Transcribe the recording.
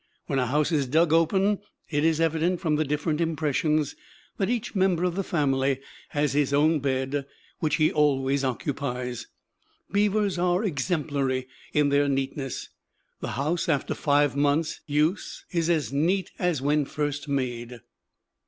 When a house is dug open it is evident from the different impressions that each member of the family has his own bed, which he always occupies. Beavers are exemplary in their neatness; the house after five months' use is as neat as when first made.